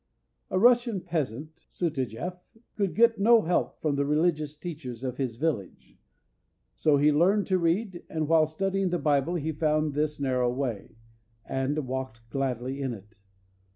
A Russian peasant, Sutajeff, could get no help from the religious teachers of his village, so he learned to read, and while studying the Bible he found this narrow way, and walked gladly in it.